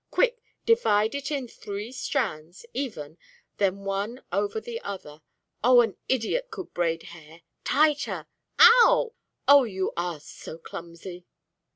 "Quick! Divide it in three strands even then one over the other Oh, an idiot could braid hair! Tighter. Ow! Oh, you are so clumsy."